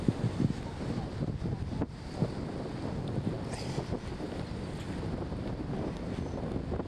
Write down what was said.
Kuna sifa nyingi ambazo sabuni ya mwani inasifiwa